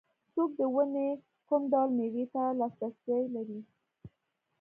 څوک د ونې کوم ډول مېوې ته لاسرسی لري.